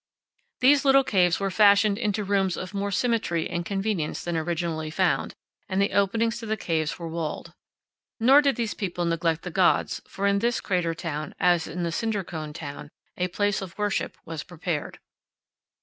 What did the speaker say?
These little caves were fashioned into rooms of more symmetry and convenience than originally found, and the openings to the caves were walled. Nor did these people neglect the gods, for in this crater town, as in the cinder cone town, a place of worship was prepared.